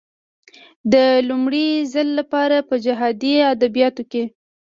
د لومړي ځل لپاره په جهادي ادبياتو کې.